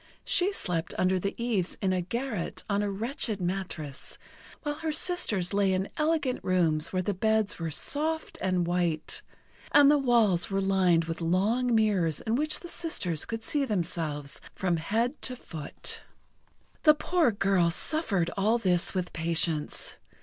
She slept under the eaves in a garret, on a wretched mattress; while her sisters lay in elegant rooms where the beds were soft and white, and the walls were lined with long mirrors in which the sisters could see themselves from head to foot. The poor girl suffered all this with patience.